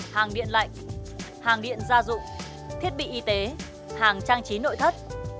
hàng điện lạnh hàng điện gia dụng thiết bị y tế hàng trang trí nội thất